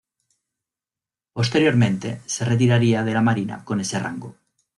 Posteriormente se retiraría de la Marina con ese rango.